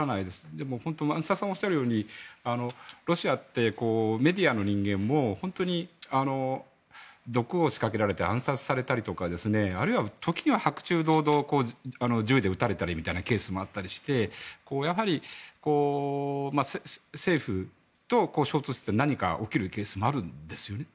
でも、増田さんがおっしゃるようにロシアってメディアの人間も毒を仕掛けられて暗殺されたりとか時には白昼堂々銃で撃たれたりみたいなケースもあったりして政府と衝突して何か起きるケースもあるんです。